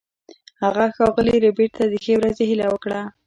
هغه ښاغلي ربیټ ته د ښې ورځې هیله وکړه